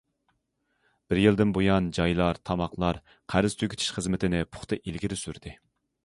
بىر يىلدىن بۇيان جايلار، تارماقلار قەرز تۈگىتىش خىزمىتىنى پۇختا ئىلگىرى سۈردى.